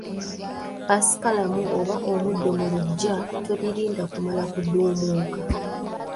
Ppaasikalamu oba omuddo mu luggya tobirinda kumala kuduumuuka